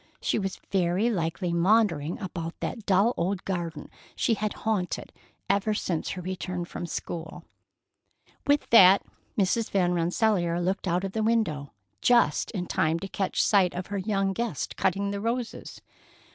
She was very likely maundering about that dull old garden she had haunted ever since her return from school. With that, Mrs. Van Rensselaer looked out of the window, just in time to catch sight of her young guest cutting the roses.